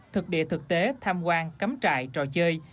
thực địa thực tế tham quan cắm trại trò chơi